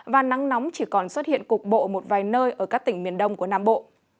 và nắng nóng chỉ còn xuất hiện cục bộ một vài nơi ở các tỉnh miền đông của nam bộ